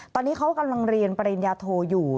ตอนนี้เขากำลังเรียนปริญญาโทอยู่